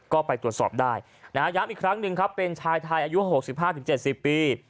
ก็ไปตรวจสอบได้นะฮะย้ามอีกครั้งหนึ่งครับเป็นชายไทยอายุหกสิบห้าถึงเจ็ดสี่ปี